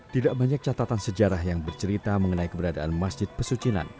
tidak banyak catatan sejarah yang bercerita mengenai keberadaan masjid pesucinan